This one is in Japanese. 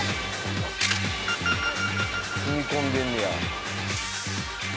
積み込んでんねや。